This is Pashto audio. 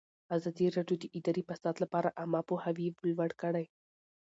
ازادي راډیو د اداري فساد لپاره عامه پوهاوي لوړ کړی.